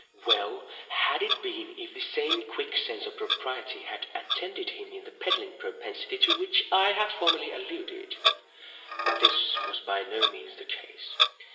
Well had it been if the same quick sense of propriety had attended him in the peddling propensity to which I have formerly alluded—but this was by no means the case.